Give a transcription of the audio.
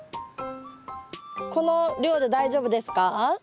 この量で大丈夫ですか？